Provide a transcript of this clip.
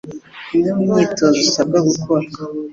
Imwe mu myitozo usabwa gukora